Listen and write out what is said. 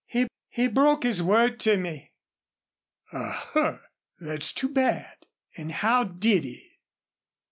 "He he broke his word to me." "A huh! Thet's too bad. An' how did he?"